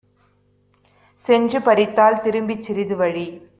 சென்று பறித்தாள். திரும்பிச் சிறிதுவழி